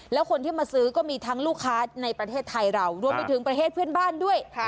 แล้วคนที่มาซื้อก็มีทั้งลูกค้าในประเทศไทยเรารวมไปถึงประเทศเพื่อนบ้านด้วย